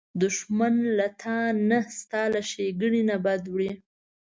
دښمن له تا نه، ستا له ښېګڼې نه بد وړي